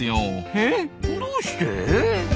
えっどうして？